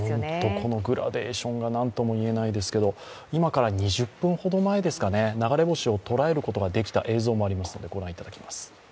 このグラデーションが何とも言えないですけど今から２０分ほど前ですかね、流れ星を捉えることができた映像もあります。